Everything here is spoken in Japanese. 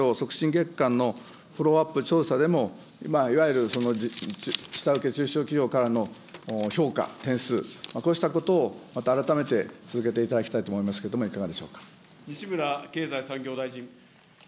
月間のフォローアップ調査でも、今、いわゆる下請け中小企業からの評価、点数、こうしたことを、また改めて続けていただきたいと思いますけれど西村経済産業大臣。